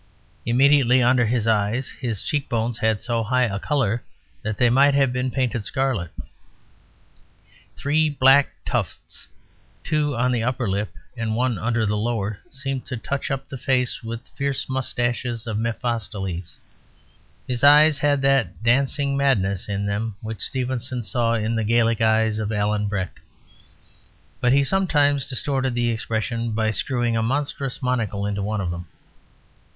Immediately under his eyes his cheekbones had so high a colour that they might have been painted scarlet; three black tufts, two on the upper lip and one under the lower, seemed to touch up the face with the fierce moustaches of Mephistopheles. His eyes had that "dancing madness" in them which Stevenson saw in the Gaelic eyes of Alan Breck; but he sometimes distorted the expression by screwing a monstrous monocle into one of them.